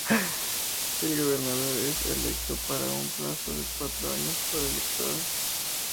El gobernador es electo para un plazo de cuatro años por los electores.